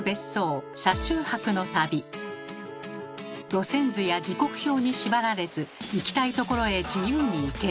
路線図や時刻表に縛られず行きたい所へ自由に行ける。